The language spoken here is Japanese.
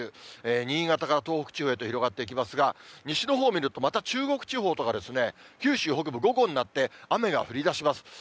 新潟から東北地方へと広がっていきますが、西のほうを見ると、また中国地方とかですね、九州北部、午後になって雨が降りだします。